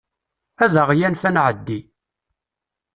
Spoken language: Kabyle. Ad aɣ-yanef ad nɛeddi.